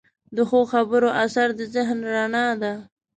د ښو خبرو اثر د ذهن رڼا ده.